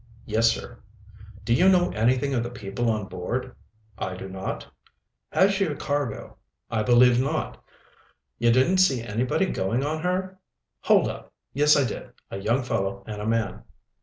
"Yes, sir." "Do you know anything of the people on board?" "I do not." "Has she a cargo?" "I believe not." "You didn't see anybody going on her?" "Hold up! Yes, I did; a young fellow and a man."